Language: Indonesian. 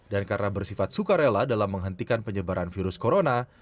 dan karena bersifat sukarela dalam menghentikan penyebaran virus corona